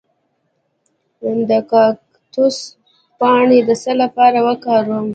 د کاکتوس پاڼې د څه لپاره وکاروم؟